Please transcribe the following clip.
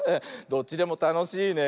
どっちでもたのしいね。